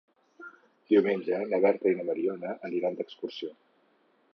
Diumenge na Berta i na Mariona aniran d'excursió.